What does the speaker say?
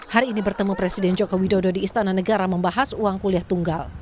hari ini bertemu presiden joko widodo di istana negara membahas uang kuliah tunggal